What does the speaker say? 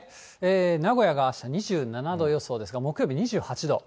名古屋があす２７度予想ですが、木曜日２８度。